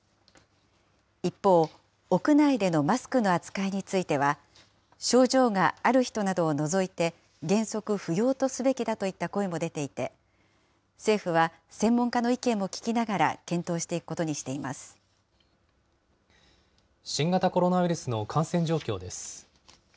一方、屋内でのマスクの扱いについては、症状がある人などを除いて、原則不要とすべきだといった声も出ていて、政府は専門家の意見も聞きながら検討していくことにしてい新型コロナウイルスの感染状況です。